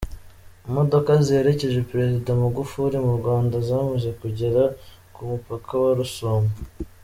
Imodoka ziherekeje Perezida Magufuli mu Rwanda zamaze kugera ku mupaka wa Rusumo.